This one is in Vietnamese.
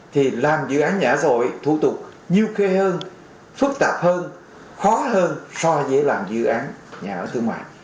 thì làm dự án nhà ở xã hội thủ tục nhiều khê hơn phức tạp hơn khó hơn so với làm dự án nhà ở thương mại